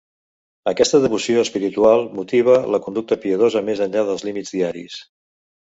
Aquesta devoció espiritual motiva la conducta piadosa més enllà dels límits diaris.